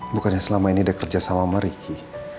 bukannya selama ini dia kerja sama sama riki